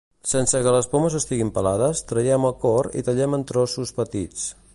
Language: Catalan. Sense que les pomes estiguin pelades, traiem el cor i tallem en trossos petits.